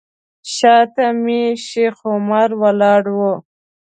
شاته مې شیخ عمر ولاړ و.